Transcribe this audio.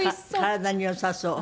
体によさそう。